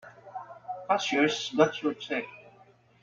Cashier's got your check.